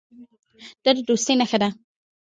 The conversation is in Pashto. دا د دوستۍ نښه ده.